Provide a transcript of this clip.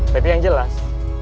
tapi yang jelas